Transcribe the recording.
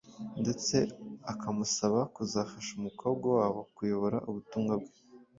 ndetse akamusaba kuzafasha umukobwa wabo kuyoboka ubutumwa bwe